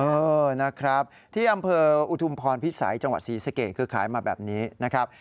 เออนะครับที่อำเภออุทุมพรพิสัยจังหวัดศรีสเกตคือขายมาแบบนี้นะครับ